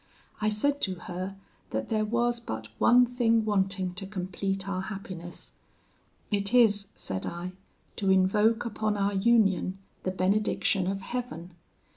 I said to her that there was but one thing wanting to complete our happiness: 'it is,' said I, 'to invoke upon our union the benediction of Heaven.